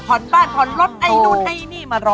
บ้านผ่อนรถไอ้นู่นไอ้นี่มารอ